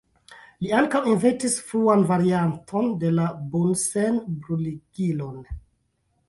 Li ankaŭ inventis fruan varianton de la Bunsen-bruligilon.